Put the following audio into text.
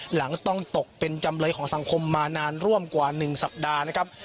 หลังต้องตกเป็นจำเลยของสังคมมานานร่วมกว่า๑สัปดาห์นะครับ